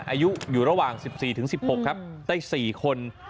อายุอยู่ระหว่าง๑๔๑๖ครับได้๔คน